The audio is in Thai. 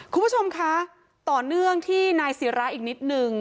คุณผู้ชมคะต่อเนื่องที่นายศิราอีกนิดนึง